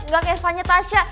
gak kayak sepanjang tasya